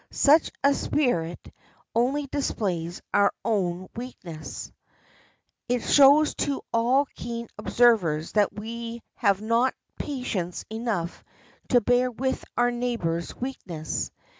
Such a spirit only displays our own weakness; it shows to all keen observers that we have not patience enough to bear with our neighbor's weakness.